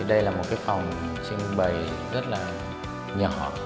đây là một cái phòng trưng bày rất là nhỏ